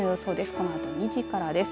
このあと２時からです。